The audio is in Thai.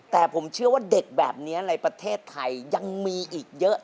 แต่ผมเชื่อว่าเด็กแบบนี้ในประเทศไทยยังมีอีกเยอะ